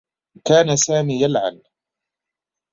كان سامي يلعن.